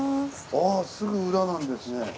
あすぐ裏なんですね。